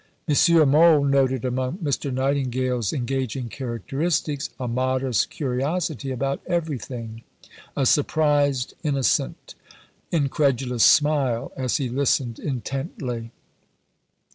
M. Mohl noted among Mr. Nightingale's engaging characteristics "a modest curiosity about everything, a surprised, innocent, incredulous smile as he listened intently."